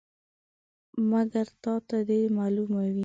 مګر تا ته دې معلومه وي.